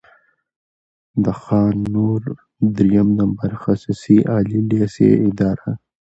د خان نور دريیم نمبر خصوصي عالي لېسې اداره،